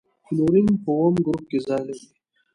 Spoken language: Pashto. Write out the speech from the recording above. کلورین په اووم ګروپ کې ځای لري.